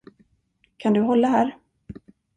Kan du hålla här?